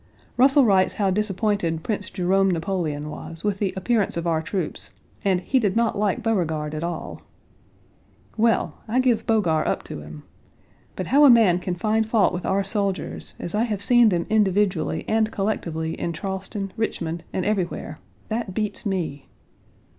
Russell writes how disappointed Prince Jerome Napoleon was with the appearance of our troops, and "he did not like Beauregard at all." Well! I give Bogar up to him. But how a man can find fault with our soldiers, as I have seen them individually and collectively in Charleston, Richmond, and everywhere that beats me.